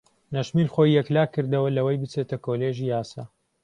نەشمیل خۆی یەکلا کردەوە لەوەی بچێتە کۆلێژی یاسا.